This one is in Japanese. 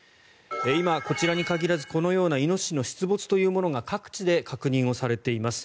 今、こちらに限らず、このようなイノシシの出没ということが各地で確認されています。